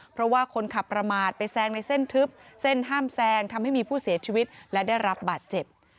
เพราะว่าคนขับประมาทไปแซงในเส้นทึบเส้นห้ามแซงทำให้มีผู้เสียชีวิตและได้รับบาดเจ็บ